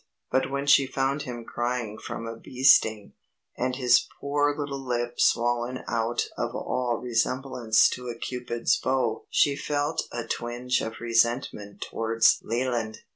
But when she found him crying from a bee sting, and his poor little lip swollen out of all resemblance to a Cupid's bow she felt a twinge of resentment towards Leland.